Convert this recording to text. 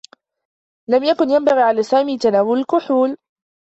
لم يكن ينبغي على سامي تناول الكحول.